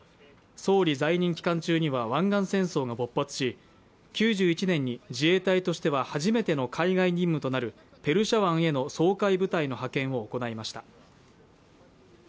総理在任期間中には湾岸戦争が勃発し９１年に自衛隊としては初めての海外任務となるペルシャ湾への掃海部隊の派遣を行いました。